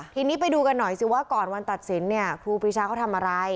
ทีนี้ไปดูกันหน่อยสิว่าก่อนวันตัดสินเนี่ยครูปรีชาเขาทำอะไร